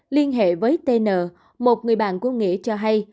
liên hệ với tn một người bạn của nghĩa cho hay